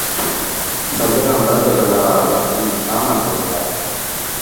بدراں بد بلا وت وی ساوݨ ہووے ہا